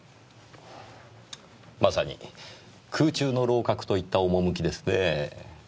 まさに空中の楼閣といった趣ですねぇ。